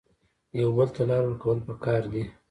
یو بل ته لار ورکول پکار دي